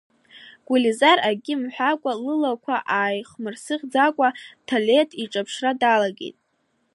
Гулизар, акгьы мҳәакәа, лылақәа ааихмырсыӷьӡакәа Ҭелеҭ иҿаԥшра далагеит.